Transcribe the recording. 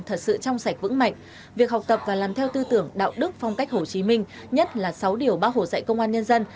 thật sự trong sạch vững mạnh việc học tập và làm theo tư tưởng đạo đức phong cách hồ chí minh nhất là sáu điều bác hồ dạy công an nhân dân